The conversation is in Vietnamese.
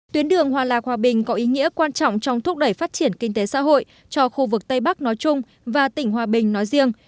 tuyến đường hòa lạc hòa bình có ý nghĩa quan trọng trong thúc đẩy phát triển kinh tế xã hội cho khu vực tây bắc nói chung và tỉnh hòa bình nói riêng